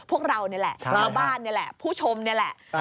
พวกเรานี่แหละล้อบ้านนี่แหละผู้ชมนี่แหละ